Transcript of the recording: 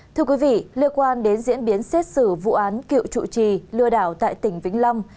thưa quý vị liên quan đến diễn biến xét xử vụ án cựu chủ trì lừa đảo tại tỉnh vĩnh long